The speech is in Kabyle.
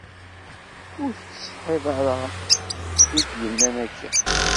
Ur tettsetḥiḍ ara i d-yennan akken.